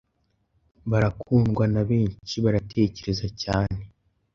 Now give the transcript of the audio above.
Barakundwa na besnhi, baratekereza cyane,